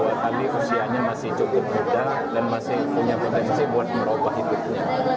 kedua kali usianya masih cukup muda dan masih punya potensi untuk merubah hidupnya